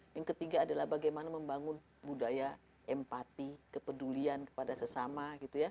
yang ketiga adalah bagaimana membangun budaya empati kepedulian kepada sesama gitu ya